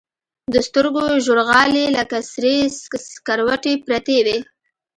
د سترګو ژورغالي لكه سرې سكروټې پرتې وي.